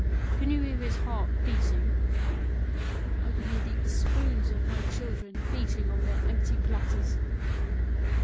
Can you hear his heart beating ?"" I can hear the spoons 01 my children beating on their empty platters